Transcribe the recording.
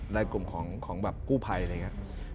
ในกลุ่มของแบบกู้ภัยอะไรอย่างนี้